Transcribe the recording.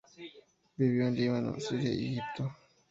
Vivió en Líbano, Siria y Egipto.